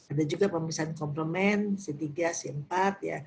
ada juga pemeriksaan komplement c tiga c empat ya